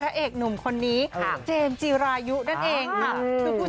เอกหนุ่มคนนี้เจมส์จีรายุนั่นเองค่ะ